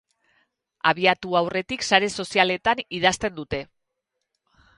Abiatu aurretik sare sozialetan idazten dute.